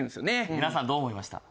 皆さんどう思いました？